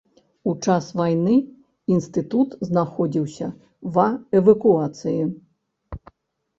У час вайны інстытут знаходзіўся ва эвакуацыі.